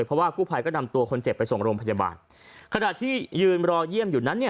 เพราะว่ากู้ภัยก็นำตัวคนเจ็บไปส่งโรงพยาบาลขณะที่ยืนรอเยี่ยมอยู่นั้นเนี่ย